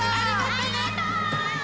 ありがとね！